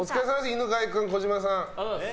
犬飼君、児嶋さん。